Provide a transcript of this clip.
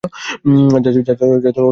যা ছিল অস্ট্রেলিয়ার সর্ব বৃহৎ।